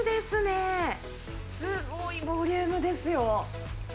すごいボリュームですよ。